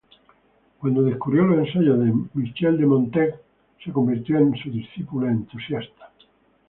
Cuando descubrió los ensayos de Michel de Montaigne se convirtió en su discípula entusiasta.